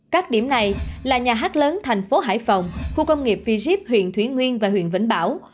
các điểm này là nhà hát lớn thành phố hải phòng khu công nghiệp v ship huyện thủy nguyên và huyện vĩnh bảo